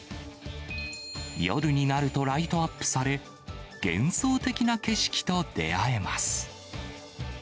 夜になるとライトアップされ、幻想的な景色と出会えます。